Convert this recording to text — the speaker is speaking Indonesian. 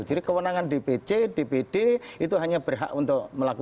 jadi kewenangan dpc dpd itu hanya berhak untuk melakukan